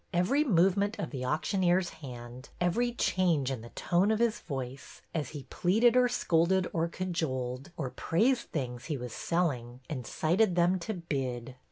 Every movement of the auctioneer's hand, every change in the tones of his voice, as he pleaded or scolded or cajoled, or praised the things he was selling, incited them to bid.